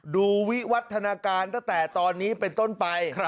วิวัฒนาการตั้งแต่ตอนนี้เป็นต้นไป